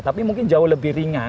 tapi mungkin jauh lebih ringan